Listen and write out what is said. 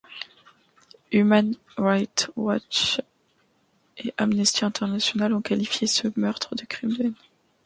Human Rights Watch et Amnesty International ont qualifié ce meurtre de crime de haine.